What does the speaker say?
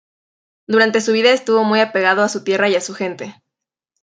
Durante su vida estuvo muy apegado a su tierra y a su gente.